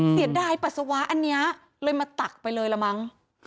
เสียดายปัสสาวะอันนี้เลยมาตักไปเลยละมั้ง